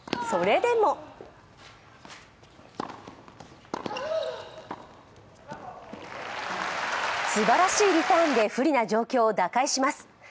それでもすばらしいリターンで不利な状況を打開します。